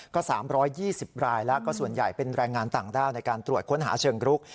ก็๓๒๐รายแล้วก็ส่วนใหญ่เป็นแรงงานต่างด้าวในการตรวจค้นหาเชิงรุก